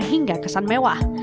hingga kesan mewah